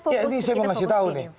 ini saya mau kasih tau nih